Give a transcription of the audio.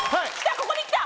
ここにきた！